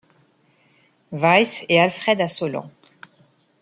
Weiss, et Alfred Assollant.